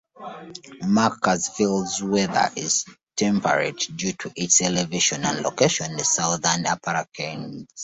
McCaysville's weather is temperate due to its elevation and location in the southern Appalachians.